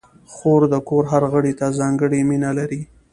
خور د کور هر غړي ته ځانګړې مینه لري.